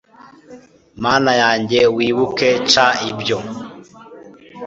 Mana yanjye wibuke c ibyo